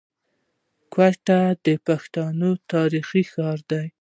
کوټه د پښتنو تاريخي ښار دی.